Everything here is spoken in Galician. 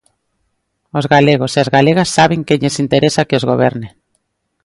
Os galegos e as galegas saben quen lles interesa que os goberne.